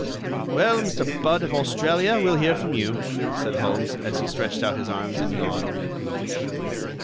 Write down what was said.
"Well, Mr. Budd of Australia, we'll hear from you," said Holmes, as he stretched out his arms and yawned.